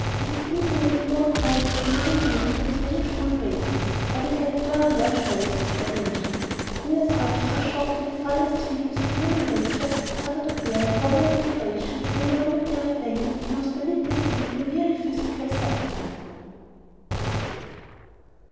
It is infinitely more cruel and unamiable than Spanish bull baitings, or the gladiatorial shows of the ancients, inasmuch as a shock to the finest feelings of human nature is harder to bear, and longer in duration, than the momentary pang induced by witnessing a merely physical suffering.